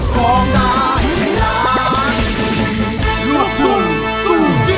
ก็ย้อนว่าหากเจ้าแห้งสีหายสุดแดงจัง